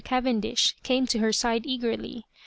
Cavendish came to her side eagerly.